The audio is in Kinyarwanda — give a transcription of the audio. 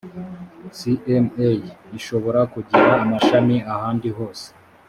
cma ishobora kugira amashami ahandi hose